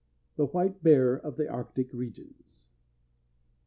THE WHITE BEAR OF THE ARCTIC REGIONS.